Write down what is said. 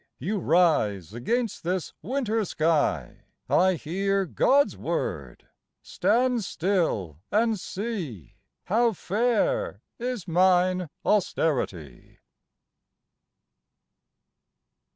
You rise against this winter sky, I hear God's word: Stand still and see How fair is mine austerity!"